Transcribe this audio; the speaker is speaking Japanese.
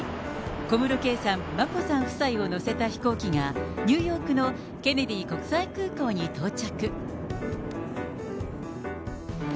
小室圭さん、眞子さん夫妻を乗せた飛行機が、ニューヨークのケネディ国際空港に到着。